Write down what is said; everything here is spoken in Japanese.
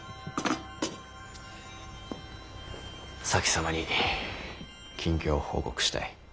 前様に近況を報告したい。